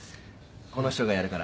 この人がやるから。